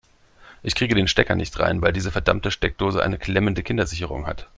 Ich kriege den Stecker nicht rein, weil diese verdammte Steckdose eine klemmende Kindersicherung hat.